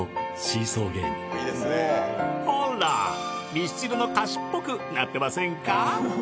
ミスチルの歌詞っぽくなってませんか？